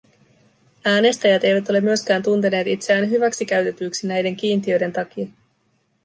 Äänestäjät eivät ole myöskään tunteneet itseään hyväksikäytetyiksi näiden kiintiöiden takia.